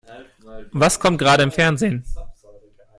Was kommt gerade im Fernsehen?